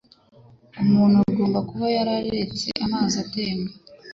Umuntu agomba kuba yararetse amazi atemba